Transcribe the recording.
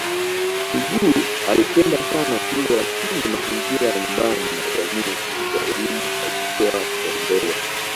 Mwigulu alipenda sana shule lakini mazingira ya nyumbani na jamii husika elimu haikupewa kipaumbele